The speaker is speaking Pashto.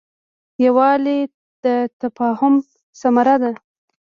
یووالی د تفاهم ثمره ده.